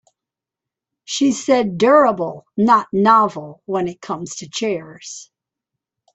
She said durable not novel when it comes to chairs.